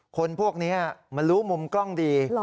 คนพวกนี้มันรู้มุมกล้องดี